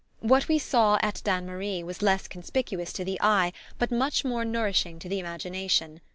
What we saw at Dannemarie was less conspicuous to the eye but much more nourishing to the imagination.